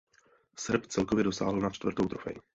Srb celkově dosáhl na čtvrtou trofej.